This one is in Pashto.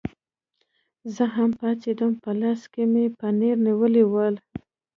زه هم پاڅېدم، په لاس کې مې پنیر نیولي ول.